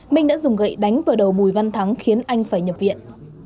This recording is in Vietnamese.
minh đã dùng gậy đánh vào đầu bùi văn thắng khiến anh phải nhập viện